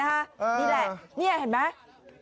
นี่แหละนี่เห็นไหม